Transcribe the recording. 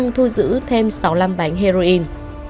đang thu giữ thêm sáu mươi năm bánh heroin